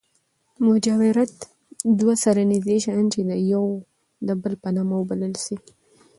مجاورت دوه سره نژدې شیان، چي يو د بل په نامه وبلل سي.